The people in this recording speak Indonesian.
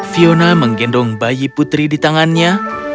fiona menggendong bayi putri di tangannya